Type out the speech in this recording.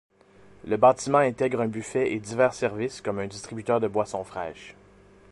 Le bâtiment intègre un buffet et divers services comme un distributeur de boissons fraîches.